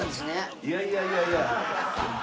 いやいやいやいや。